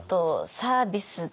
サービスで？